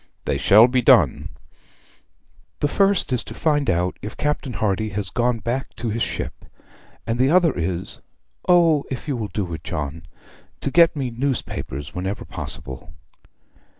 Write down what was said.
'They shall be done.' 'The first is to find out if Captain Hardy has gone back to his ship; and the other is O if you will do it, John! to get me newspapers whenever possible.'